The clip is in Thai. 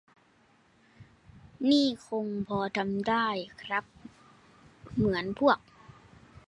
นี่คงพอทำได้ครับ เหมือนพวก